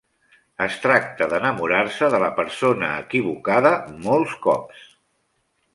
Es tracta d'enamorar-se de la persona equivocada molts cops.